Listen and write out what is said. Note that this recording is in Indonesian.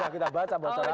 kita baca buat saran